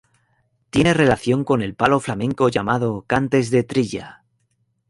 Tiene relación con el palo flamenco llamado "cantes de trilla".